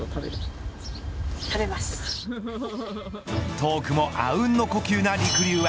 トークもあうんの呼吸なりくりゅうは